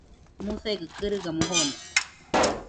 Musegɨ kɨrigamo jone.